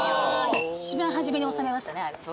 一番初めに納めましたね。